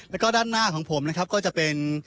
แล้วก็ด้านหน้าของผมนะครับก็จะเป็น